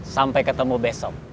sampai ketemu besok